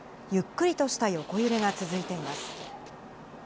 ゆっくりとした横揺れが続いています。